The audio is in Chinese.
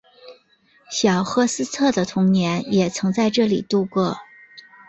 小赫斯特的童年也曾在这里度过。